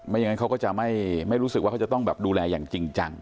อย่างนั้นเขาก็จะไม่รู้สึกว่าเขาจะต้องแบบดูแลอย่างจริงจัง